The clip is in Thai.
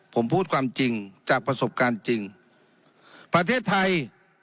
ผมพูดความจริงจากประสบการณ์จริงประเทศไทย